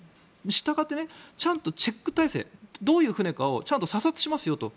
したがってちゃんとチェック体制どういう船かを査察しますよと。